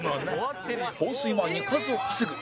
放水前に数を稼ぐ